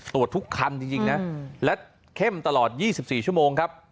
ตรวจทุกคันจริงนะและเข้มตลอด๒๔ชั่วโมงครับ